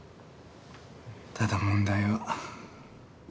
ただ問題は。